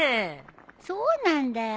そうなんだよ。